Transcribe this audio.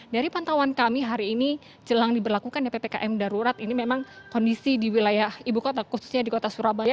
dari pantauan kami hari ini jelang diberlakukan ppkm darurat ini memang kondisi di wilayah ibu kota khususnya di kota surabaya